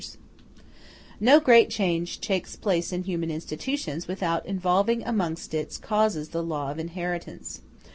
] No great change takes place in human institutions without involving amongst its causes the law of inheritance.